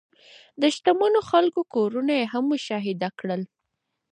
د شتمنو خلکو کورونه یې هم مشاهده کړل.